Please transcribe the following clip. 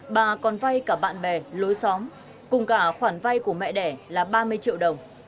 bà còn vay cả bạn bè lối xóm cùng cả khoản vay của mẹ đẻ là ba mươi triệu đồng